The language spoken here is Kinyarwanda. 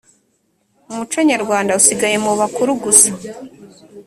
umuco nyarwanda usigaye mu bakuru gusa